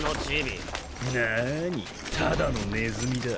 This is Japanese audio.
なぁにただのネズミだ。